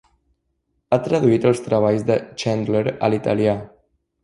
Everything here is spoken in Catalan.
Ha traduït els treballs de Chandler a l'italià.